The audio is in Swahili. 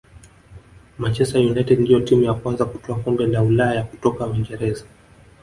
manchester united ndiyo timu ya kwanza kutwaa kombe la ulaya kutoka uingereza